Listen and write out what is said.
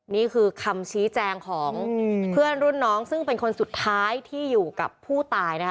นี่คือคำชี้แจงของเพื่อนรุ่นน้องซึ่งเป็นคนสุดท้ายที่อยู่กับผู้ตายนะคะ